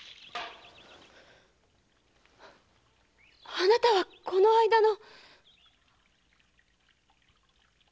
あなたはこの間の！